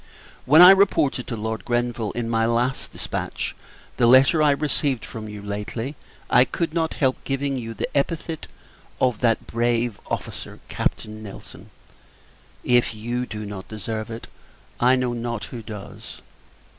When I reported to Lord Grenville, in my last dispatch, the letter I received from you lately, I could not help giving you the epithet of "that brave officer, Captain Nelson." If you do not deserve it, I know not who does.